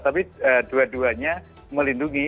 tapi dua duanya melindungi